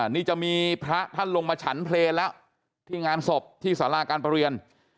นี่จะมีพระท่านลงมาฉันเพลงแล้วที่งานศพที่สาราการประเรียน